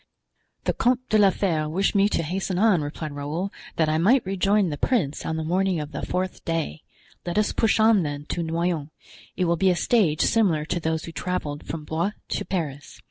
"The Comte de la Fere wished me to hasten on," replied Raoul, "that I might rejoin the prince on the morning of the fourth day; let us push on, then, to Noyon; it will be a stage similar to those we traveled from Blois to Paris.